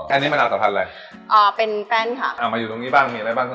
แค่นี้มะนาวสัมพันธ์อะไรอ่าเป็นแฟนค่ะอ่ามาอยู่ตรงนี้บ้างมีอะไรบ้าง